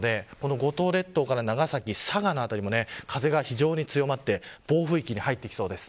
五島列島から長崎、佐賀などにも風が非常に強まって暴風域に入ってきそうです。